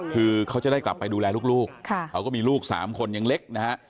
คือเขาจะได้กลับไปดูแลลูกเขาก็มีลูก๓คนยังเล็กนะฮะ